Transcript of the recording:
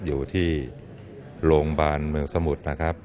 อยู่ที่โรงพยาบาลเมืองสมุทรนะครับ